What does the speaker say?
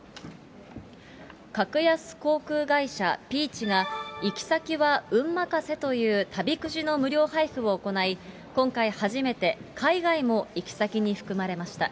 格安航空会社、ピーチが、行き先は運任せという旅くじの無料配布を行い、今回初めて海外も行き先に含まれました。